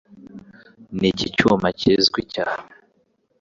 Niki cyuma kizwi cyane?